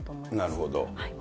なるほど。